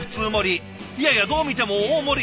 いやいやどう見ても大盛り。